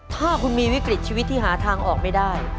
ถ้าคุณมีวิกฤตชีวิตที่หาทางออกไม่ได้